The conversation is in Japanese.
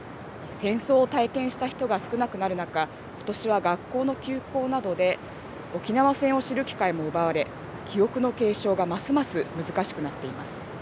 戦争を体験した人が少なくなる中、ことしは学校の休校などで、沖縄戦を知る機会も奪われ、記憶の継承がますます難しくなっています。